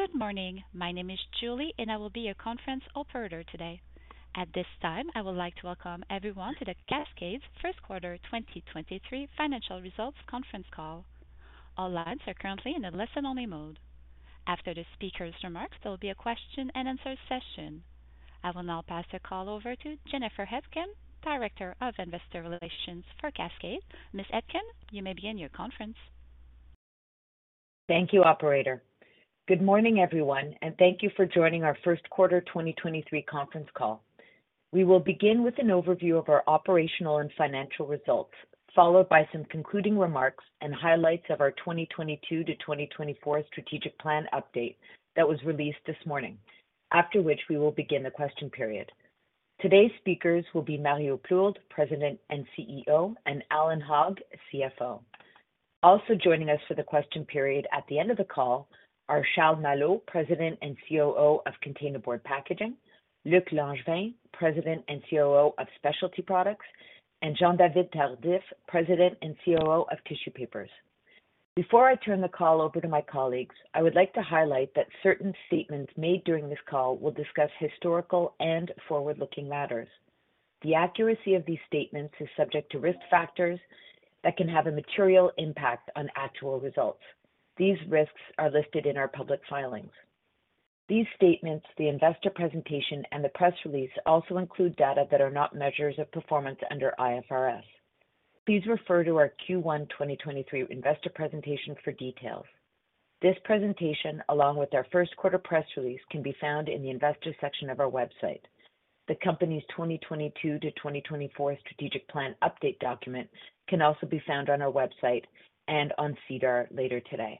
Good morning. My name is Julie, and I will be your conference operator today. At this time, I would like to welcome everyone to the Cascades first quarter 2023 financial results conference call. All lines are currently in a listen-only mode. After the speaker's remarks, there will be a question-and-answer session. I will now pass the call over to Jennifer Aitken, Director of Investor Relations for Cascades. Ms. Aitken, you may begin your conference. Thank you, operator. Good morning, everyone, and thank you for joining our first quarter 2023 conference call. We will begin with an overview of our operational and financial results, followed by some concluding remarks and highlights of our 2022-2024 strategic plan update that was released this morning. After which we will begin the question period. Today's speakers will be Mario Plourde, President and CEO, and Allan Hogg, CFO. Also joining us for the question period at the end of the call are Charles Malo, President and COO of Containerboard Packaging, Luc Langevin, President and COO of Specialty Products, and Jean-David Tardif, President and COO of Tissue Papers. Before I turn the call over to my colleagues, I would like to highlight that certain statements made during this call will discuss historical and forward-looking matters. The accuracy of these statements is subject to risk factors that can have a material impact on actual results. These risks are listed in our public filings. These statements, the investor presentation, and the press release also include data that are not measures of performance under IFRS. Please refer to our Q1 2023 investor presentation for details. This presentation, along with our first quarter press release, can be found in the investor section of our website. The company's 2022-2024 strategic plan update document can also be found on our website and on SEDAR later today.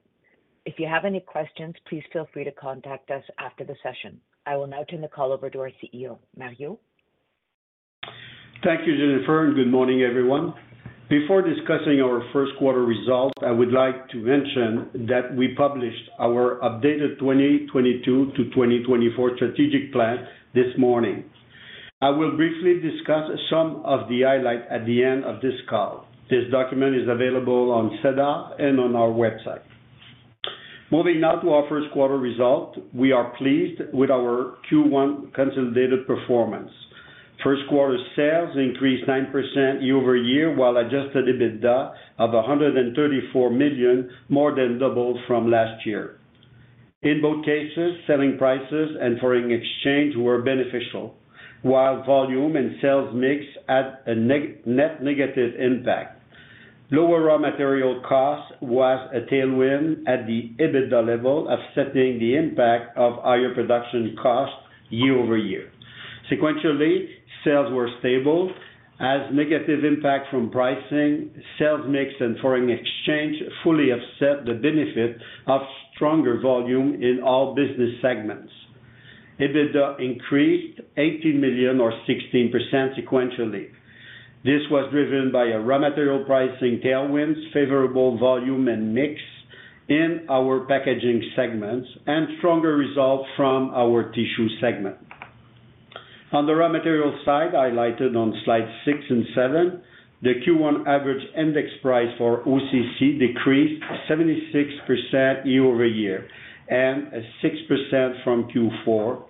If you have any questions, please feel free to contact us after the session. I will now turn the call over to our CEO. Mario? Thank you, Jennifer. Good morning, everyone. Before discussing our first quarter results, I would like to mention that we published our updated 2022-2024 strategic plan this morning. I will briefly discuss some of the highlights at the end of this call. This document is available on SEDAR and on our website. Moving now to our first quarter result. We are pleased with our Q1 consolidated performance. First quarter sales increased 9% year-over-year, while adjusted EBITDA of 134 million more than doubled from last year. In both cases, selling prices and foreign exchange were beneficial, while volume and sales mix had a net negative impact. Lower raw material cost was a tailwind at the EBITDA level, offsetting the impact of higher production costs year-over-year. Sequentially, sales were stable as negative impact from pricing, sales mix and foreign exchange fully offset the benefit of stronger volume in all business segments. EBITDA increased 80 million or 16% sequentially. This was driven by a raw material pricing tailwind, favorable volume and mix in our packaging segments, and stronger results from our Tissue segment. On the raw material side, highlighted on slide six and seven, the Q1 average index price for OCC decreased 76% year-over-year and 6% from Q4.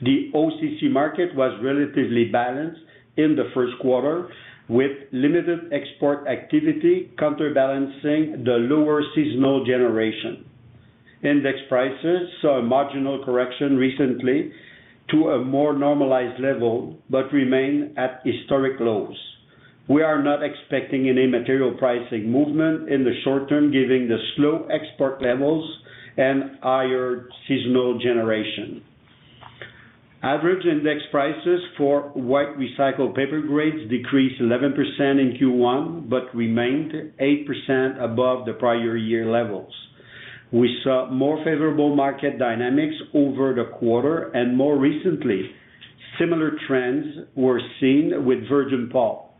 The OCC market was relatively balanced in the first quarter, with limited export activity counterbalancing the lower seasonal generation. Index prices saw a marginal correction recently to a more normalized level, remain at historic lows. We are not expecting any material pricing movement in the short term, giving the slow export levels and higher seasonal generation. Average index prices for white recycled paper grades decreased 11% in Q1, but remained 8% above the prior year levels. We saw more favorable market dynamics over the quarter and more recently. Similar trends were seen with virgin pulp.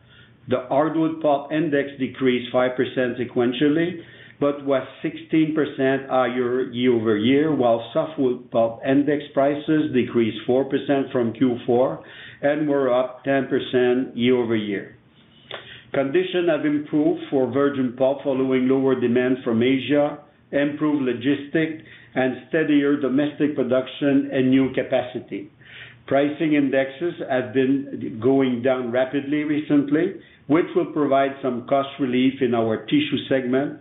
The hardwood pulp index decreased 5% sequentially, but was 16% higher year-over-year, while softwood pulp index prices decreased 4% from Q4 and were up 10% year-over-year. Conditions have improved for virgin pulp following lower demand from Asia, improved logistics, and steadier domestic production and new capacity. Pricing indexes have been going down rapidly recently, which will provide some cost relief in our Tissue segment.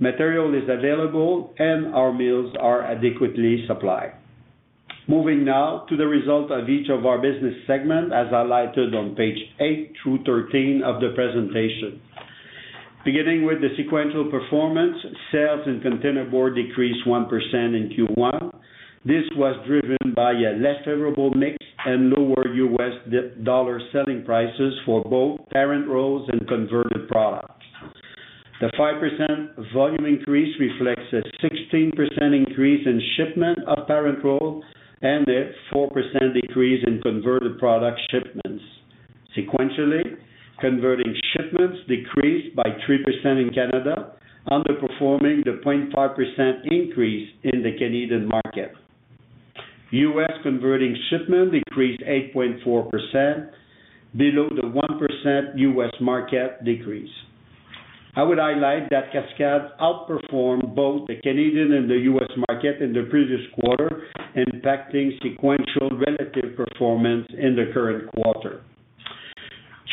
Material is available and our mills are adequately supplied. Moving now to the result of each of our business segments, as highlighted on page 8 through 13 of the presentation. Beginning with the sequential performance, sales in Containerboard decreased 1% in Q1. This was driven by a less favorable mix and lower USD selling prices for both parent rolls and converted products. The 5% volume increase reflects a 16% increase in shipment of parent roll and a 4% decrease in converted product shipments. Sequentially, converting shipments decreased by 3% in Canada, underperforming the 0.5% increase in the Canadian market. U.S. converting shipment decreased 8.4% below the 1% U.S. market decrease. I would highlight that Cascades outperformed both the Canadian and the U.S. market in the previous quarter, impacting sequential relative performance in the current quarter.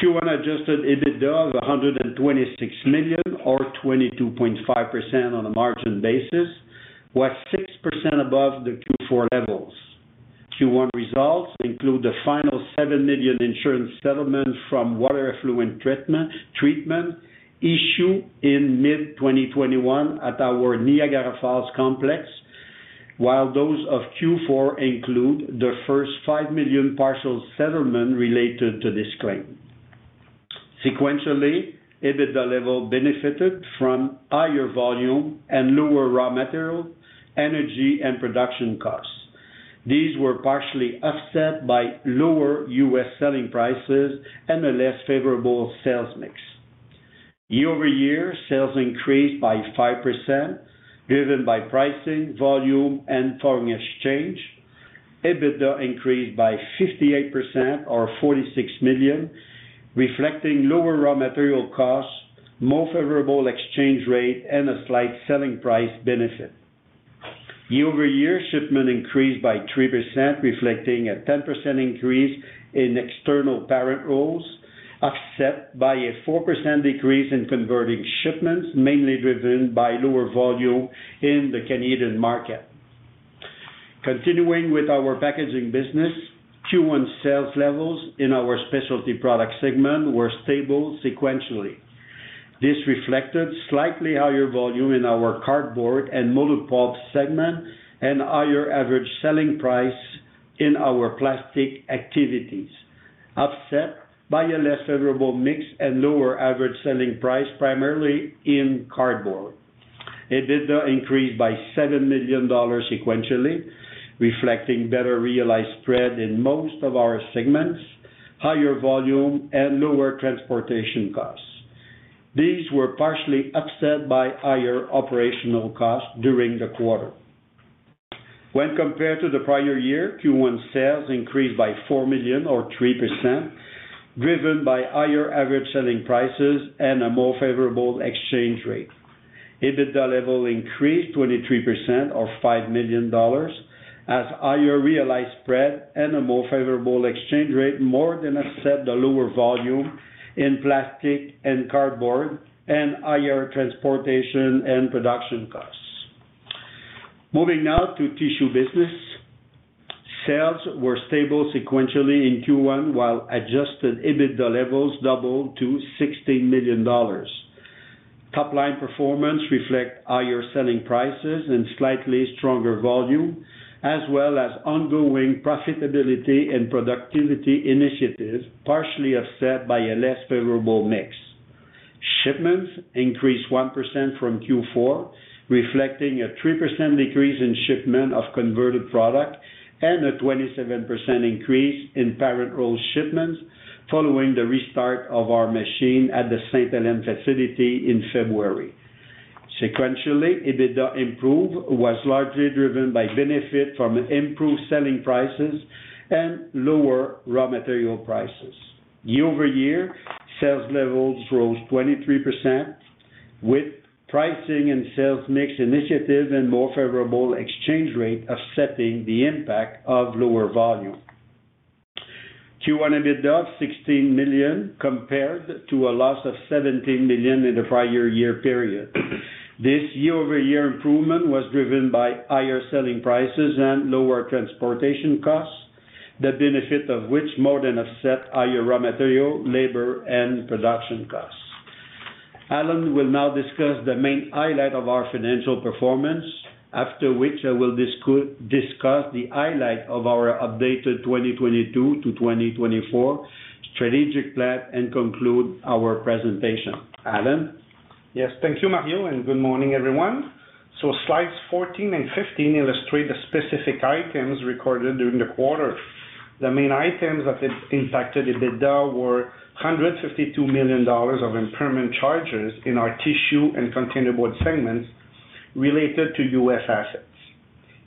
Q1 adjusted EBITDA of 126 million or 22.5% on a margin basis, was 6% above the Q4 levels. Q1 results include the final 7 million insurance settlement from water effluent treatment issue in mid-2021 at our Niagara Falls complex, while those of Q4 include the first 5 million partial settlement related to this claim. Sequentially, EBITDA level benefited from higher volume and lower raw material, energy, and production costs. These were partially offset by lower U.S. selling prices and a less favorable sales mix. Year-over-year sales increased by 5%, driven by pricing, volume, and foreign exchange. EBITDA increased by 58% or 46 million, reflecting lower raw material costs, more favorable exchange rate, and a slight selling price benefit. Year-over-year shipment increased by 3%, reflecting a 10% increase in external parent rolls, offset by a 4% decrease in converting shipments, mainly driven by lower volume in the Canadian market. Continuing with our packaging business, Q1 sales levels in our Specialty Products segment were stable sequentially. This reflected slightly higher volume in our cardboard and molded pulp segment and higher average selling price in our plastic activities, offset by a less favorable mix and lower average selling price, primarily in cardboard. EBITDA increased by 7 million dollars sequentially, reflecting better realized spread in most of our segments, higher volume, and lower transportation costs. These were partially offset by higher operational costs during the quarter. When compared to the prior year, Q1 sales increased by 4 million or 3%, driven by higher average selling prices and a more favorable exchange rate. EBITDA level increased 23% or 5 million dollars as higher realized spread and a more favorable exchange rate, more than offset the lower volume in plastic and cardboard and higher transportation and production costs. Moving now to Tissue business. Sales were stable sequentially in Q1, while adjusted EBITDA levels doubled to 16 million dollars. Top-line performance reflect higher selling prices and slightly stronger volume, as well as ongoing profitability and productivity initiatives, partially offset by a less favorable mix. Shipments increased 1% from Q4, reflecting a 3% decrease in shipment of converted product and a 27% increase in parent roll shipments following the restart of our machine at the St. Helens facility in February. Sequentially, EBITDA improve was largely driven by benefit from improved selling prices and lower raw material prices. Year-over-year, sales levels rose 23%, with pricing and sales mix initiatives and more favorable exchange rate offsetting the impact of lower volume. Q1 EBITDA of 16 million compared to a loss of 17 million in the prior-year period. This year-over-year improvement was driven by higher selling prices and lower transportation costs, the benefit of which more than offset higher raw material, labor, and production costs. Allan will now discuss the main highlight of our financial performance, after which I will discuss the highlight of our updated 2022-2024 strategic plan and conclude our presentation. Allan? Yes. Thank you, Mario. Good morning, everyone. Slides 14 and 15 illustrate the specific items recorded during the quarter. The main items that impacted EBITDA were 152 million dollars of impairment charges in our Tissue and Containerboard segments related to U.S. assets.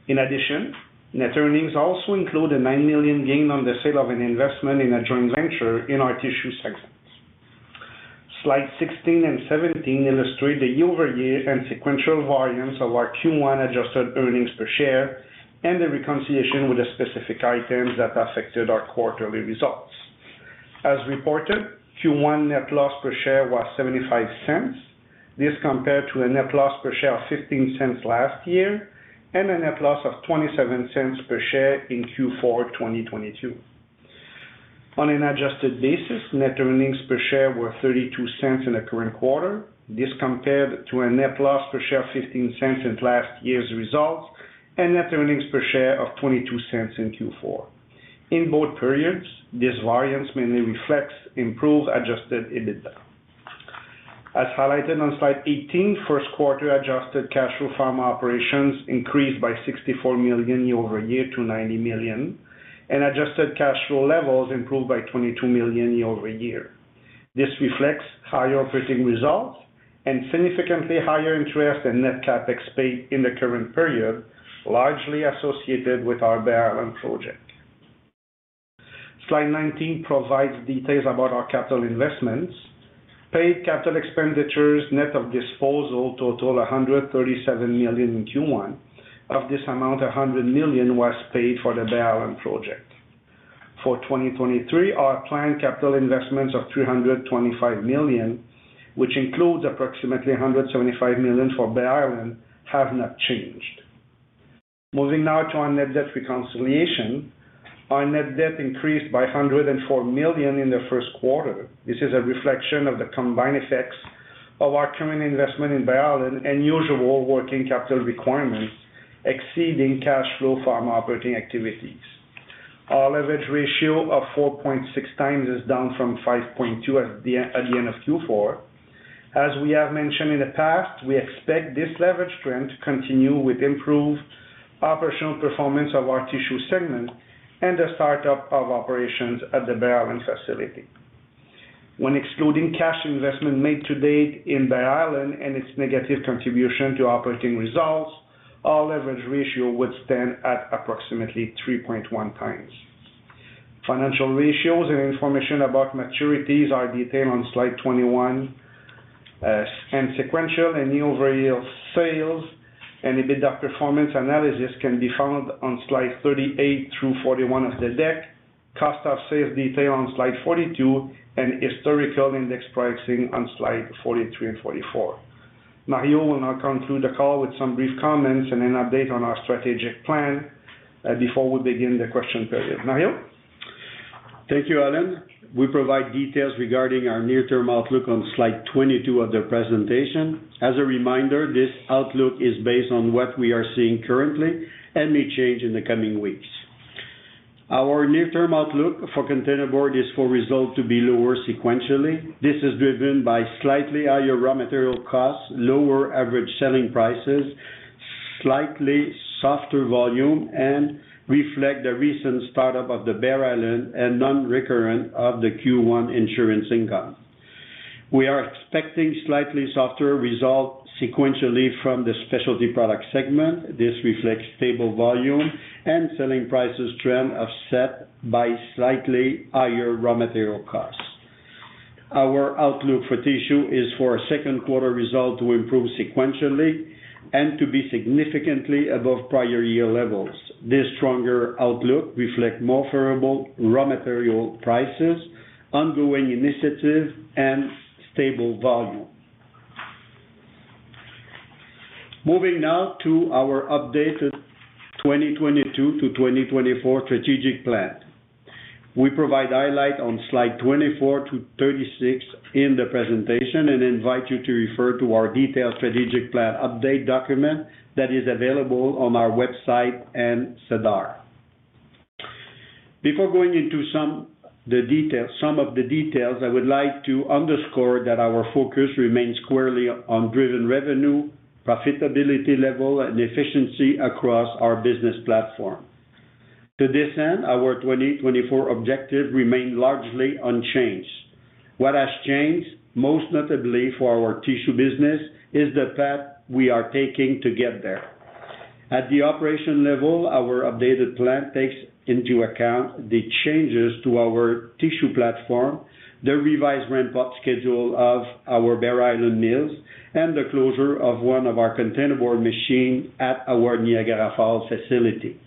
In addition, net earnings also include a 9 million gain on the sale of an investment in a joint venture in our Tissue segment. Slides 16 and 17 illustrate the year-over-year and sequential variance of our Q1 adjusted earnings per share and the reconciliation with the specific items that affected our quarterly results. As reported, Q1 net loss per share was 0.75. This compared to a net loss per share of 0.15 last year and a net loss of 0.27 per share in Q4 2022. On an adjusted basis, net earnings per share were 0.32 in the current quarter. This compared to a net loss per share of 0.15 in last year's results and net earnings per share of 0.22 in Q4. In both periods, this variance mainly reflects improved adjusted EBITDA. As highlighted on slide 18, first quarter adjusted cash flow from operations increased by 64 million year-over-year to 90 million, and adjusted cash flow levels improved by 22 million year-over-year. This reflects higher operating results and significantly higher interest and net CapEx paid in the current period, largely associated with our Bear Island project. Slide 19 provides details about our capital investments. Paid CapEx, net of disposal totaled 137 million in Q1. Of this amount, 100 million was paid for the Bear Island project. For 2023, our planned capital investments of 325 million, which includes approximately 175 million for Bear Island, have not changed. Moving now to our net debt reconciliation. Our net debt increased by 104 million in the first quarter. This is a reflection of the combined effects of our current investment in Bear Island and usual working capital requirements exceeding cash flow from operating activities. Our leverage ratio of 4.6x is down from 5.2x at the end of Q4. As we have mentioned in the past, we expect this leverage trend to continue with improved operational performance of our Tissue segment and the start-up of operations at the Bear Island facility. When excluding cash investment made to date in Bear Island and its negative contribution to operating results, our leverage ratio would stand at approximately 3.1x. Financial ratios and information about maturities are detailed on slide 21. Sequential and year-over-year sales and EBITDA performance analysis can be found on slide 38 through 41 of the deck. Cost of sales detail on slide 42, and historical index pricing on slide 43 and 44. Mario will now conclude the call with some brief comments and an update on our strategic plan before we begin the question period. Mario? Thank you, Allan. We provide details regarding our near-term outlook on slide 22 of the presentation. As a reminder, this outlook is based on what we are seeing currently and may change in the coming weeks. Our near-term outlook for Containerboard is for result to be lower sequentially. This is driven by slightly higher raw material costs, lower average selling prices, slightly softer volume, and reflect the recent start-up of the Bear Island and non-recurrent of the Q1 insurance income. We are expecting slightly softer results sequentially from the Specialty Products segment. This reflects stable volume and selling prices trend offset by slightly higher raw material costs. Our outlook for Tissue is for a second quarter result to improve sequentially and to be significantly above prior-year levels. This stronger outlook reflect more favorable raw material prices, ongoing initiatives, and stable volume. Moving now to our updated 2022-2024 strategic plan. We provide highlight on slide 24-36 in the presentation and invite you to refer to our detailed strategic plan update document that is available on our website and SEDAR. Before going into some of the details, I would like to underscore that our focus remains squarely on driven revenue, profitability level, and efficiency across our business platform. To this end, our 2024 objective remain largely unchanged. What has changed, most notably for our Tissue business, is the path we are taking to get there. At the operation level, our updated plan takes into account the changes to our Tissue platform, the revised ramp-up schedule of our Bear Island mills, and the closure of one of our containerboard machines at our Niagara Falls facility.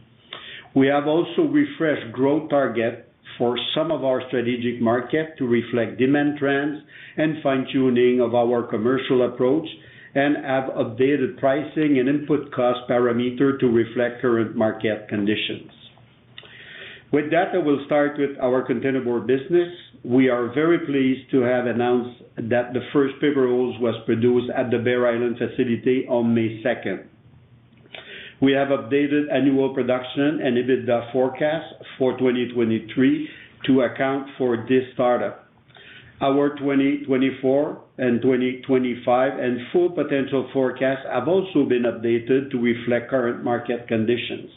We have also refreshed growth target for some of our strategic market to reflect demand trends and fine-tuning of our commercial approach and have updated pricing and input cost parameter to reflect current market conditions. With that, I will start with our Containerboard business. We are very pleased to have announced that the first paper rolls was produced at the Bear Island facility on May second. We have updated annual production and EBITDA forecast for 2023 to account for this start-up. Our 2024 and 2025 and full potential forecasts have also been updated to reflect current market conditions.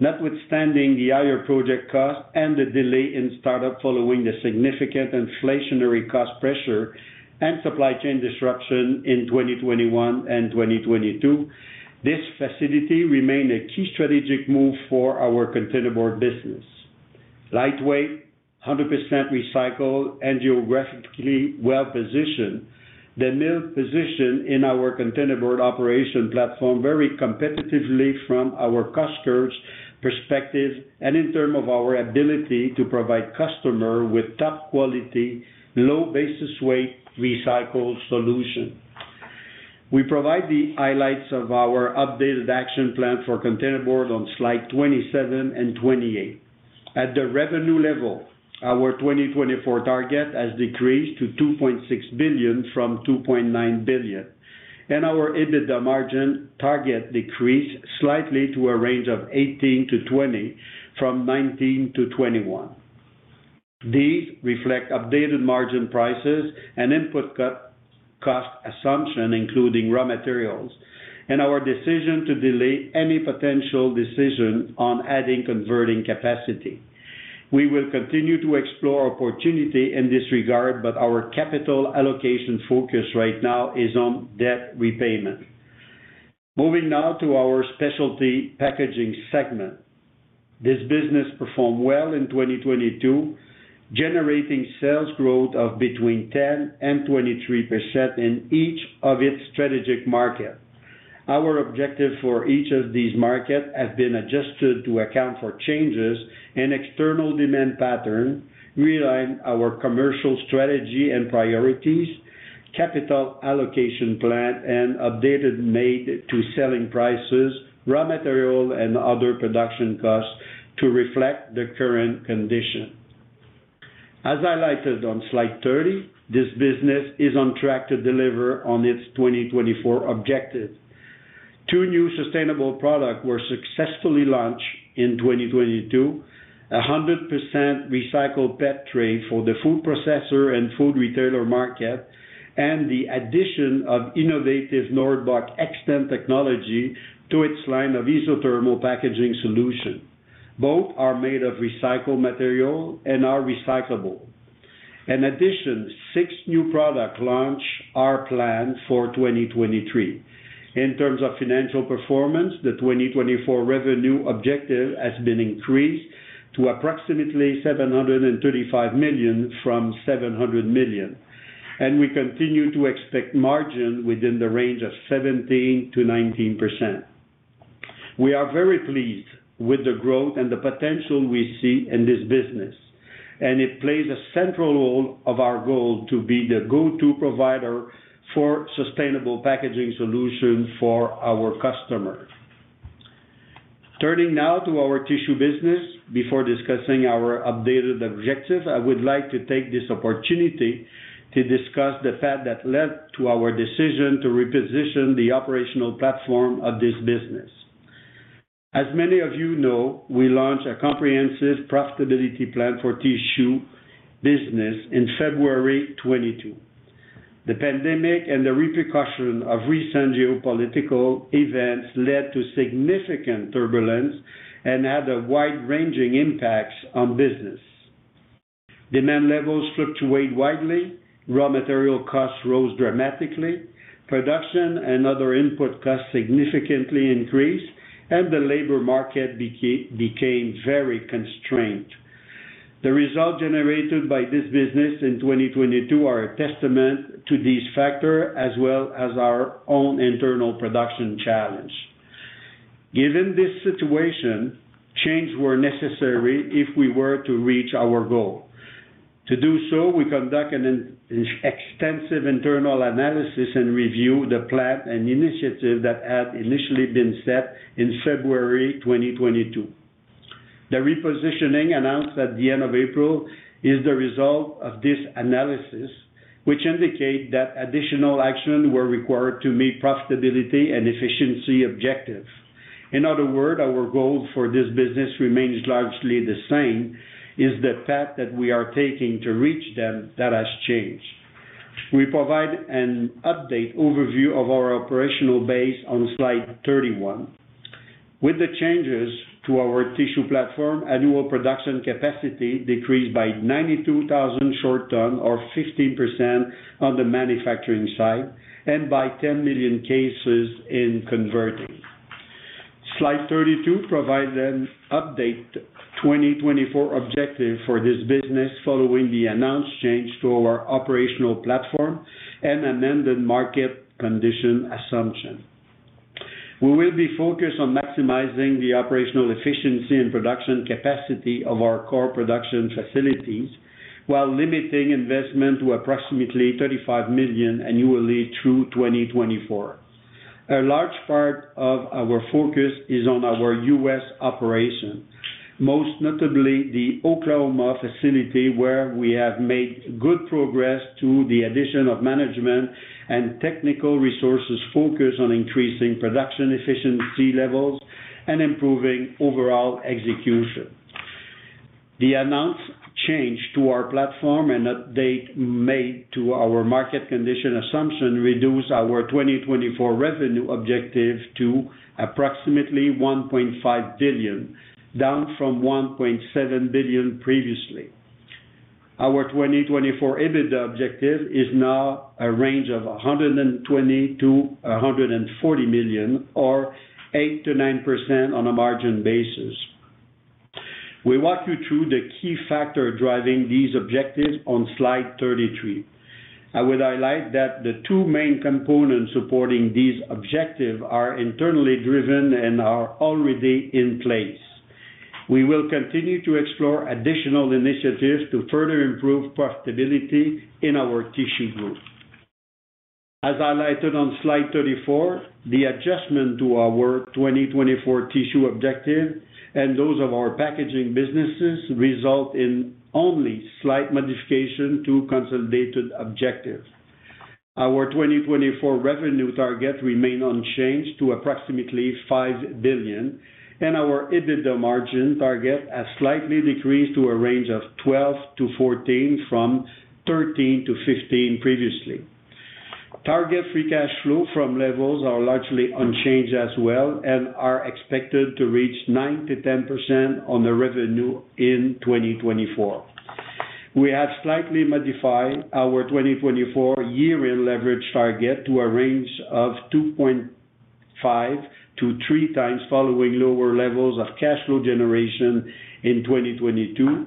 Notwithstanding the higher project cost and the delay in start-up following the significant inflationary cost pressure and supply chain disruption in 2021 and 2022, this facility remained a key strategic move for our Containerboard business. Lightweight, 100% recycled, and geographically well-positioned, the mill position in our Containerboard operation platform very competitively from our customers' perspective and in term of our ability to provide customer with top quality, low basis weight recycled solution. We provide the highlights of our updated action plan for Containerboard on slide 27 and 28. At the revenue level, our 2024 target has decreased to 2.6 billion from 2.9 billion, and our EBITDA margin target decreased slightly to a range of 18%-20% from 19%-21%. These reflect updated margin prices and input cost assumption, including raw materials, and our decision to delay any potential decision on adding converting capacity. We will continue to explore opportunity in this regard, but our capital allocation focus right now is on debt repayment. Moving now to our Specialty Packaging segment. This business performed well in 2022, generating sales growth of between 10% and 23% in each of its strategic market. Our objective for each of these market has been adjusted to account for changes in external demand pattern, realign our commercial strategy and priorities, capital allocation plan, and updated made to selling prices, raw material, and other production costs to reflect the current condition. As highlighted on slide 30, this business is on track to deliver on its 2024 objective. Two new sustainable product were successfully launched in 2022. A 100% recycled PET tray for the food processor and food retailer market, and the addition of innovative northbox XTEND technology to its line of isothermal packaging solution. Both are made of recycled material and are recyclable. In addition, six new product launches are planned for 2023. In terms of financial performance, the 2024 revenue objective has been increased to approximately 735 million from 700 million. We continue to expect margin within the range of 17%-19%. We are very pleased with the growth and the potential we see in this business. It plays a central role of our goal to be the go-to provider for sustainable packaging solution for our customer. Turning now to our Tissue business. Before discussing our updated objective, I would like to take this opportunity to discuss the fact that led to our decision to reposition the operational platform of this business. As many of you know, we launched a comprehensive profitability plan for Tissue business in February 2022. The pandemic and the repercussion of recent geopolitical events led to significant turbulence and had a wide-ranging impacts on business. Demand levels fluctuate widely, raw material costs rose dramatically, production and other input costs significantly increased, and the labor market became very constrained. The result generated by this business in 2022 are a testament to these factor as well as our own internal production challenge. Given this situation, change were necessary if we were to reach our goal. To do so, we conduct an extensive internal analysis and review the plan and initiative that had initially been set in February 2022. The repositioning announced at the end of April is the result of this analysis, which indicate that additional action were required to meet profitability and efficiency objective. In other word, our goal for this business remains largely the same is the path that we are taking to reach them that has changed. We provide an update overview of our operational base on slide 31. With the changes to our Tissue platform, annual production capacity decreased by 92,000 short tons or 15% on the manufacturing side and by 10 million cases in converting. Slide 32 provide an update 2024 objective for this business following the announced change to our operational platform and amended market condition assumption. We will be focused on maximizing the operational efficiency and production capacity of our core production facilities while limiting investment to approximately 35 million annually through 2024. A large part of our focus is on our U.S. operation, most notably the Oklahoma facility, where we have made good progress to the addition of management and technical resources focused on increasing production efficiency levels and improving overall execution. The announced change to our platform and update made to our market condition assumption reduce our 2024 revenue objective to approximately 1.5 billion, down from 1.7 billion previously. Our 2024 EBITDA objective is now a range of 120 million-140 million or 8%-9% on a margin basis. We walk you through the key factor driving these objectives on slide 33. I would highlight that the two main components supporting this objective are internally driven and are already in place. We will continue to explore additional initiatives to further improve profitability in our Tissue Group. As highlighted on slide 34, the adjustment to our 2024 Tissue objective and those of our packaging businesses result in only slight modification to consolidated objective. Our 2024 revenue target remain unchanged to approximately 5 billion. Our EBITDA margin target has slightly decreased to a range of 12%-14% from 13%-15% previously. Target free cash flow from levels are largely unchanged as well and are expected to reach 9%-10% on the revenue in 2024. We have slightly modified our 2024 year-end leverage target to a range of 2.5x-3x following lower levels of cash flow generation in 2022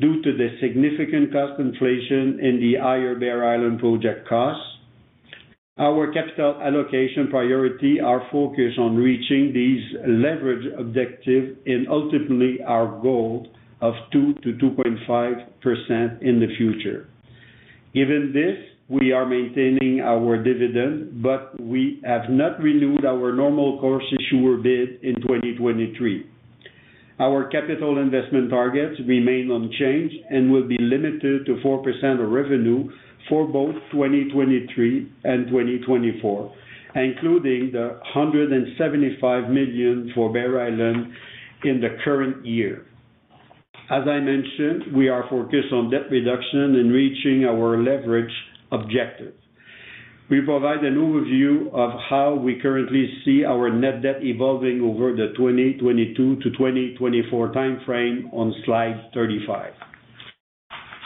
due to the significant cost inflation and the higher Bear Island project costs. Our capital allocation priority are focused on reaching these leverage objectives and ultimately our goal of 2%-2.5% in the future. Given this, we are maintaining our dividend. We have not renewed our normal course issuer bid in 2023. Our capital investment targets remain unchanged and will be limited to 4% of revenue for both 2023 and 2024, including the 175 million for Bear Island in the current year. As I mentioned, we are focused on debt reduction and reaching our leverage objective. We provide an overview of how we currently see our net debt evolving over the 2022-2024 time frame on slide 35.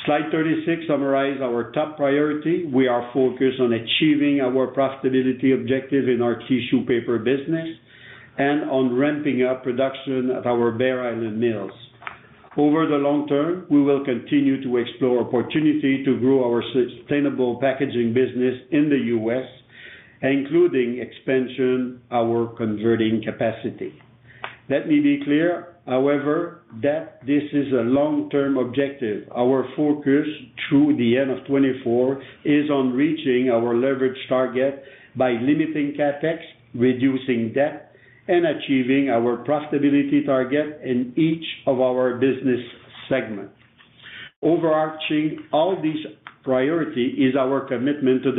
Slide 36 summarize our top priority. We are focused on achieving our profitability objective in our Tissue Paper business and on ramping up production at our Bear Island mills. Over the long term, we will continue to explore opportunity to grow our sustainable packaging business in the U.S., including expansion our converting capacity. Let me be clear, however, that this is a long-term objective. Our focus through the end of 2024 is on reaching our leverage target by limiting CapEx, reducing debt, and achieving our profitability target in each of our business segments. Overarching all these priority is our comprehensive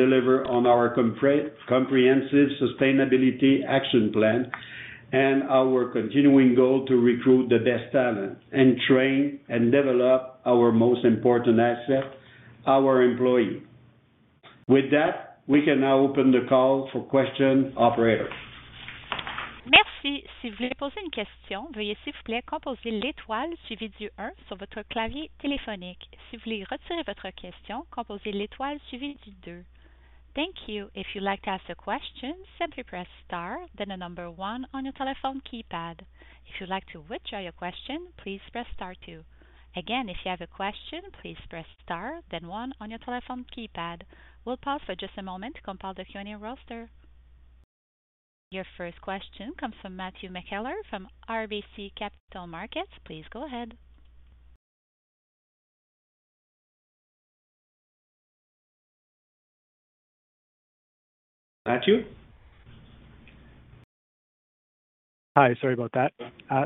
sustainability action plan and our continuing goal to recruit the best talent and train and develop our most important asset, our employee. With that, we can now open the call for question. Operator? Thank you. If you'd like to ask a question, simply press star, then the number one on your telephone keypad. If you'd like to withdraw your question, please press star two. Again, if you have a question, please press star then one on your telephone keypad. We'll pause for just a moment to compile the Q&A roster. Your first question comes from Matthew McKellar from RBC Capital Markets. Please go ahead. Matthew? Hi. Sorry about that.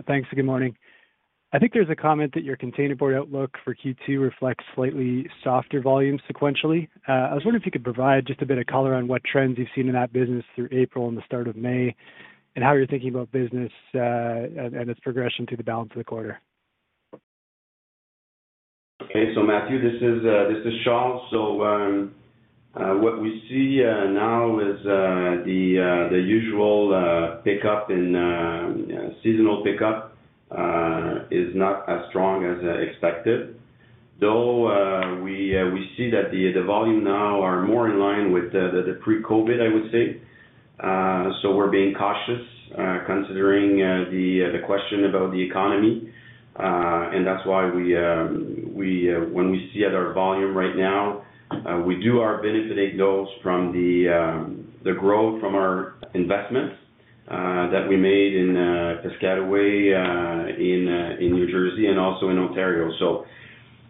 Thanks. Good morning. I think there's a comment that your Containerboard outlook for Q2 reflects slightly softer volume sequentially. I was wondering if you could provide just a bit of color on what trends you've seen in that business through April and the start of May, and how you're thinking about business, and its progression through the balance of the quarter. Okay. Matthew, this is Charles. What we see now is the usual pickup in seasonal pickup is not as strong as expected. Though we see that the volume now are more in line with the pre-COVID, I would say. We're being cautious considering the question about the economy. That's why we when we see at our volume right now, we do are benefiting those from the growth from our investments that we made in Piscataway in New Jersey and also in Ontario.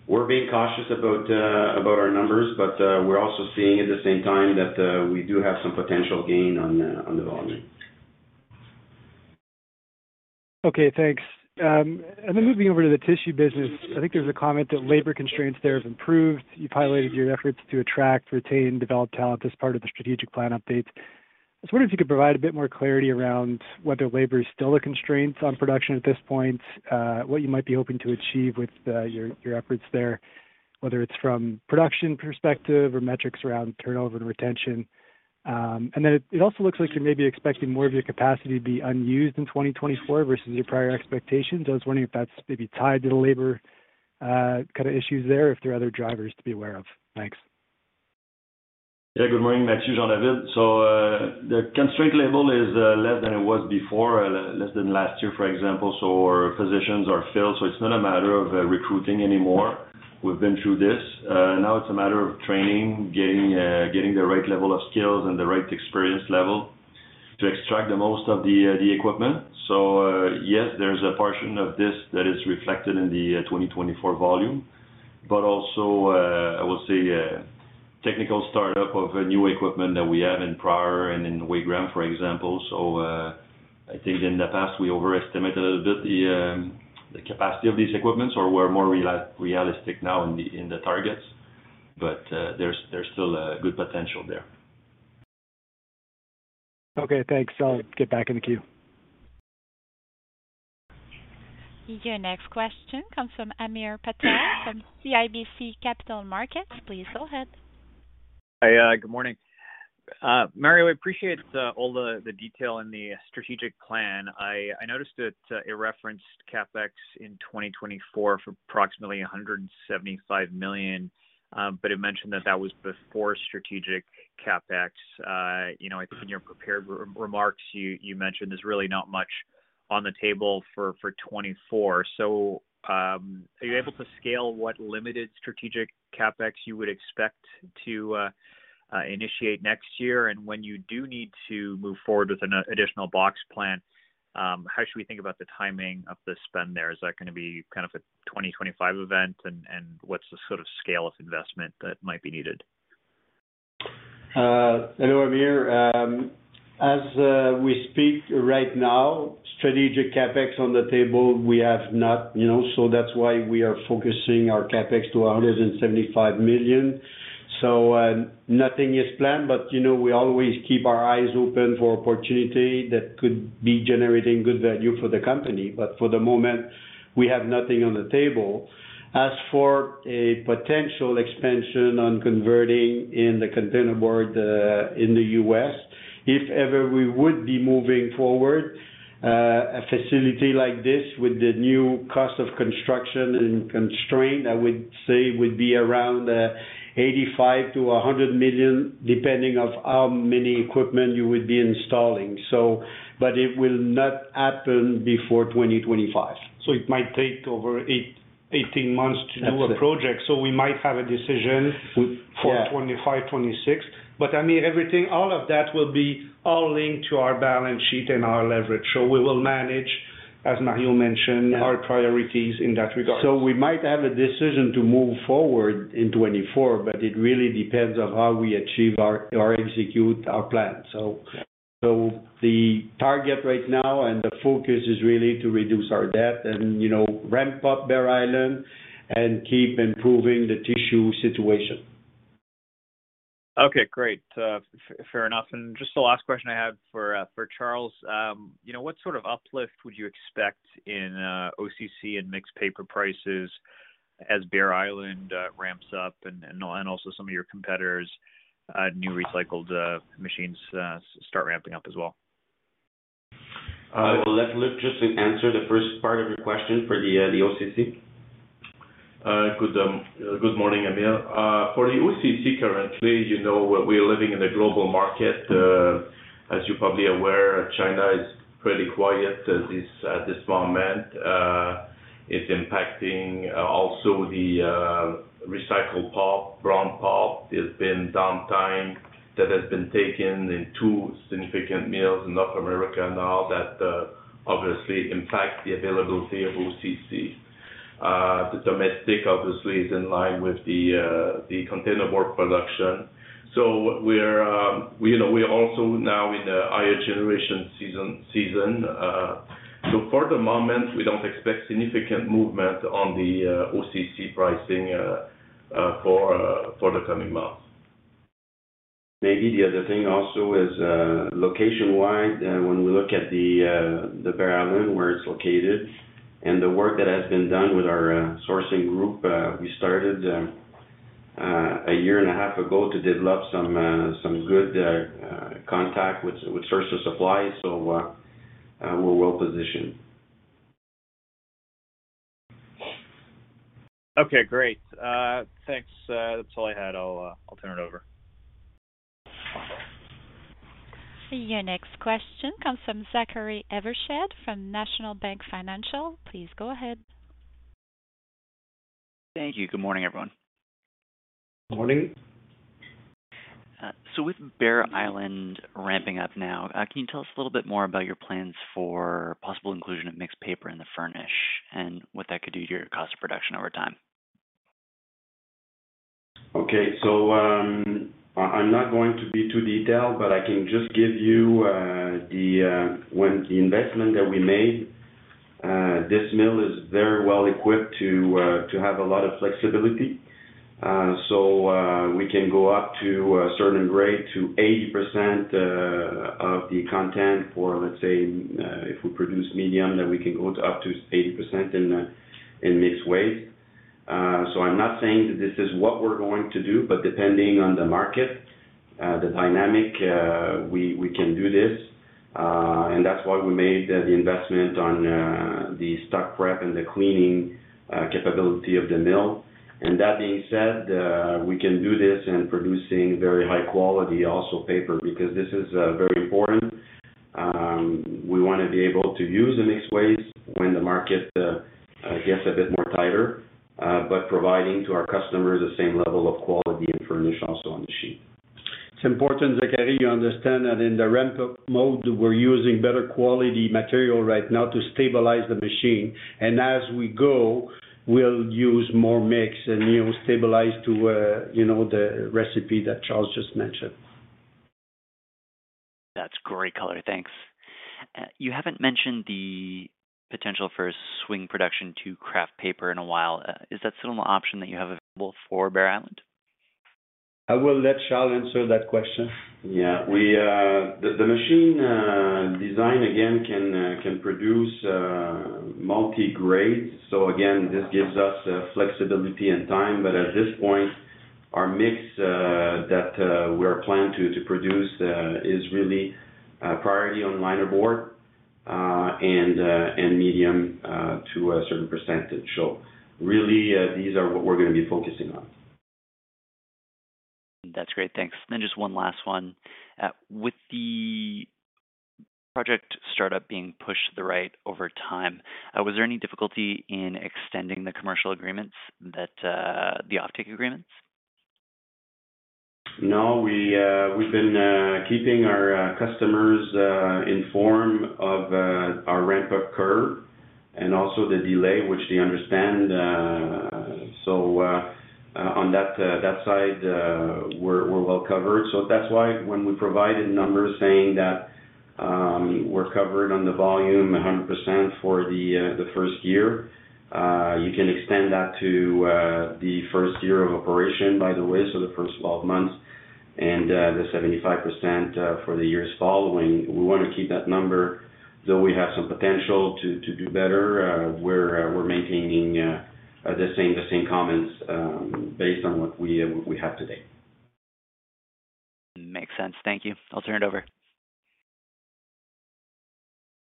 We're being cautious about our numbers, but we're also seeing at the same time that we do have some potential gain on the volume. Okay, thanks. Moving over to the Tissue business, I think there's a comment that labor constraints there have improved. You've highlighted your efforts to attract, retain, develop talent as part of the strategic plan updates. I was wondering if you could provide a bit more clarity around whether labor is still a constraint on production at this point, what you might be hoping to achieve with your efforts there, whether it's from production perspective or metrics around turnover and retention. It also looks like you're maybe expecting more of your capacity to be unused in 2024 versus your prior expectations. I was wondering if that's maybe tied to the labor kind of issues there, if there are other drivers to be aware of. Thanks. Good morning, Matthew. Jean-David. The constraint level is less than it was before, less than last year, for example. Our positions are filled, it's not a matter of recruiting anymore. We've been through this. Now it's a matter of training, getting the right level of skills and the right experience level to extract the most of the equipment. Yes, there's a portion of this that is reflected in the 2024 volume, but also, I would say, technical startup of a new equipment that we have in Pryor and in Wagram, for example. I think in the past we overestimate a little bit the capacity of these equipments or we're more realistic now in the in the targets, but there's still a good potential there. Okay, thanks. I'll get back in the queue. Your next question comes from Hamir Patel from CIBC Capital Markets. Please go ahead. Hi, good morning. Mario, I appreciate all the detail in the strategic plan. I noticed that it referenced CapEx in 2024 for approximately 175 million, but it mentioned that that was before strategic CapEx. You know, in your prepared remarks, you mentioned there's really not much on the table for 2024. Are you able to scale what limited strategic CapEx you would expect to initiate next year? When you do need to move forward with an additional box plant, how should we think about the timing of the spend there? Is that gonna be kind of a 2025 event? What's the sort of scale of investment that might be needed? Hello, Hamir. As we speak right now, strategic CapEx on the table, we have not, you know. That's why we are focusing our CapEx to 175 million. Nothing is planned, but you know, we always keep our eyes open for opportunity that could be generating good value for the company. For the moment, we have nothing on the table. As for a potential expansion on converting in the Containerboard, in the U.S., if ever we would be moving forward, a facility like this with the new cost of construction and constraint, I would say would be around 85 million-100 million, depending of how many equipment you would be installing. It will not happen before 2025. It might take over 18 months. Absolutely. A project, we might have a decision for 2025, 2026. But Hamir, everything, all of that will be all linked to our balance sheet and our leverage. We will manage, as Mario mentioned, our priorities in that regard. We might have a decision to move forward in 2024, but it really depends on how we achieve or execute our plan. Yeah. The target right now and the focus is really to reduce our debt and, you know, ramp up Bear Island and keep improving the tissue situation. Okay, great. fair enough. Just the last question I have for Charles. you know, what sort of uplift would you expect in OCC and mixed paper prices as Bear Island ramps up and also some of your competitors' new recycled machines start ramping up as well? I will let Luc just answer the first part of your question for the OCC. Good morning, Hamir. For the OCC currently, you know, we're living in a global market. As you're probably aware, China is pretty quiet at this moment. It's impacting also the recycled pulp. Brown pulp has been downtime that has been taken in two significant mills in North America now that obviously impact the availability of OCC. The domestic, obviously, is in line with the containerboard production. We're, you know, we're also now in a higher generation season. For the moment, we don't expect significant movement on the OCC pricing for the coming months. Maybe the other thing also is, location-wise, when we look at the Bear Island, where it's located, and the work that has been done with our sourcing group, we started a year and a half ago to develop some good contact with sources of supply. We're well positioned. Okay, great. Thanks. That's all I had. I'll turn it over. Your next question comes from Zachary Evershed from National Bank Financial. Please go ahead. Thank you. Good morning, everyone. Morning. With Bear Island ramping up now, can you tell us a little bit more about your plans for possible inclusion of mixed paper in the furnish and what that could do to your cost of production over time? Okay. I'm not going to be too detailed, but I can just give you the. When the investment that we made, this mill is very well equipped to have a lot of flexibility. We can go up to a certain rate to 80% of the content for, let's say, if we produce medium, then we can go to up to 80% in mixed waste. I'm not saying that this is what we're going to do, but depending on the market, the dynamic, we can do this. That's why we made the investment on the stock prep and the cleaning capability of the mill. That being said, we can do this in producing very high quality also paper, because this is very important. We wanna be able to use the mixed waste when the market gets a bit more tighter, but providing to our customers the same level of quality and furnish also on the sheet. It's important, Zachary, you understand that in the ramp-up mode, we're using better quality material right now to stabilize the machine. As we go, we'll use more mix and, you know, stabilize to, you know, the recipe that Charles just mentioned. That's great color. Thanks. You haven't mentioned the potential for swing production to kraft paper in a while. Is that still an option that you have available for Bear Island? I will let Charles answer that question. Yeah, the machine design again can produce multi-grades. Again, this gives us flexibility and time. At this point, our mix that we are planning to produce is really priority on linerboard and medium to a certain percentage. Really, these are what we're gonna be focusing on. That's great. Thanks. Just one last one. With the project startup being pushed to the right over time, was there any difficulty in extending the commercial agreements that, the offtake agreements? No, we've been keeping our customers informed of our ramp-up curve and also the delay, which they understand. On that side, we're well covered. That's why when we provided numbers saying that we're covered on the volume 100% for the first year, you can extend that to the first year of operation, by the way, so the first 12 months and the 75% for the years following. We wanna keep that number, though we have some potential to do better, we're maintaining the same comments based on what we have today. Makes sense. Thank you. I'll turn it over.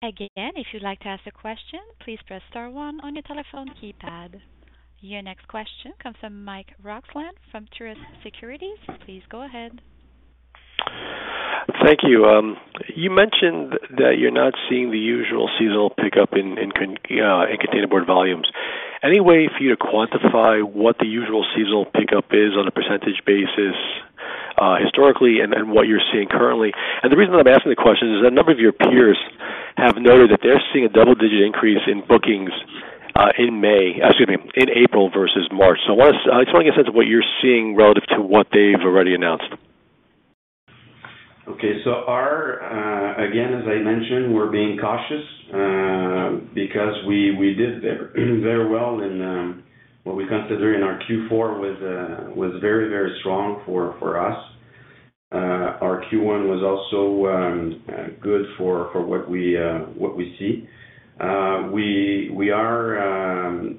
Again, if you'd like to ask a question, please press star one on your telephone keypad. Your next question comes from Michael Roxland from Truist Securities. Please go ahead. Thank you. You mentioned that you're not seeing the usual seasonal pickup in containerboard volumes. Any way for you to quantify what the usual seasonal pickup is on a percentage basis historically and what you're seeing currently? The reason that I'm asking the question is that a number of your peers have noted that they're seeing a double-digit increase in bookings in April versus March. I wanna just wanna get a sense of what you're seeing relative to what they've already announced. Our again, as I mentioned, we're being cautious because we did very, very well in what we consider in our Q4 was very, very strong for us. Our Q1 was also good for what we see. We are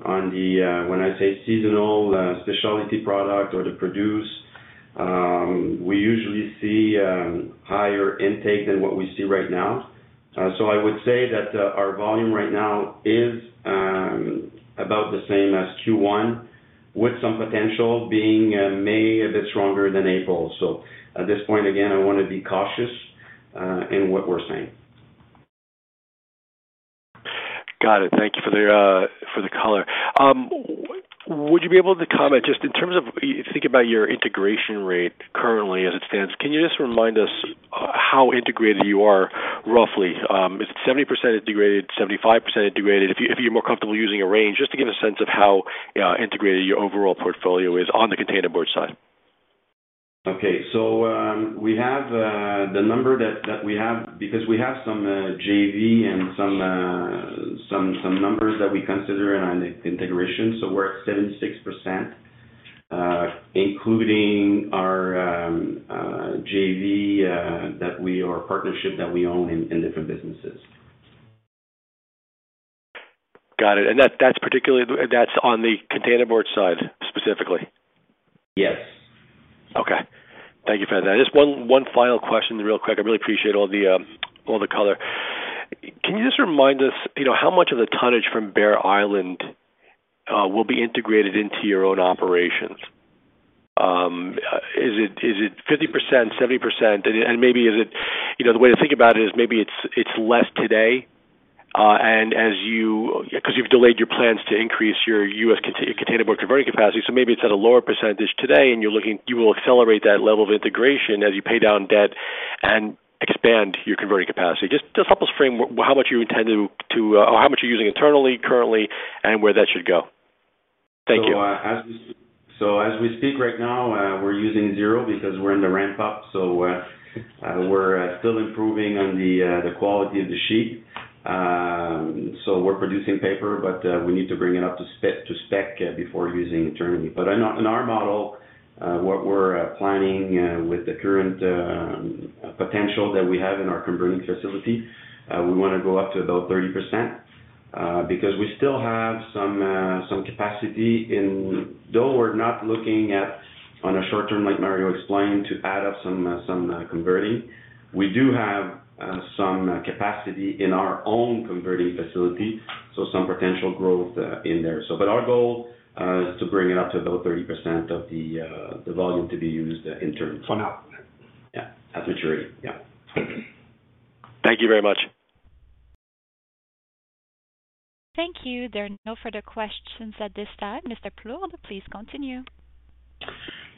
on the when I say seasonal specialty product or the produce, we usually see higher intake than what we see right now. I would say that our volume right now is about the same as Q1, with some potential being May a bit stronger than April. At this point, again, I wanna be cautious in what we're saying. Got it. Thank you for the for the color. Would you be able to comment just in terms of think about your integration rate currently as it stands. Can you just remind us how integrated you are roughly? Is it 70% integrated, 75% integrated? If you, if you're more comfortable using a range, just to give a sense of how integrated your overall portfolio is on the Containerboard side. Okay. We have the number that we have because we have some JV and some numbers that we consider on integration. We're at 76%, including our JV that we or partnership that we own in different businesses. Got it. That's on the Containerboard side specifically? Yes. Okay. Thank you for that. Just one final question real quick. I really appreciate all the color. Can you just remind us, you know, how much of the tonnage from Bear Island will be integrated into your own operations? Is it 50%, 70%? Maybe is it, you know, the way to think about it is maybe it's less today, and as you—because you've delayed your plans to increase your U.S. containerboard converting capacity. Maybe it's at a lower percentage today and you will accelerate that level of integration as you pay down debt and expand your converting capacity. Just help us frame how much you intend to, or how much you're using internally currently and where that should go. Thank you. As we speak right now, we're using 0 because we're in the ramp-up, we're still improving on the quality of the sheet. We're producing paper, but we need to bring it up to spec before using internally. On our model, what we're planning with the current potential that we have in our converting facility, we wanna go up to about 30% because we still have some capacity in. We're not looking at, on a short term, like Mario explained, to add up some converting. We do have some capacity in our own converting facility, so some potential growth in there. Our goal is to bring it up to about 30% of the volume to be used internally. For now. Yeah. At maturity. Yeah. Thank you very much. Thank you. There are no further questions at this time. Mr. Plourde, please continue.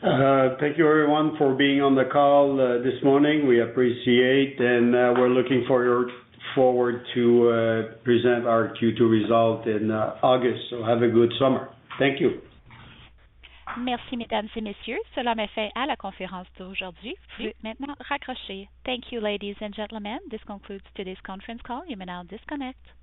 Thank you everyone for being on the call this morning. We appreciate and we're looking forward to present our Q2 result in August. Have a good summer. Thank you. Merci. Mesdames et Messieurs. Cela met fin à la conférence d'aujourd'hui. Vous pouvez maintenant raccrocher. Thank you, ladies and gentlemen. This concludes today's conference call. You may now disconnect.